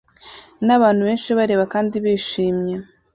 nabantu benshi bareba kandi bishimye